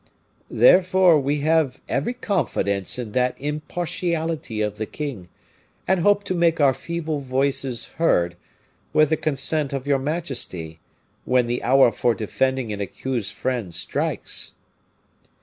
"Therefore we have every confidence in that impartiality of the king, and hope to make our feeble voices heard, with the consent of your majesty, when the hour for defending an accused friend strikes."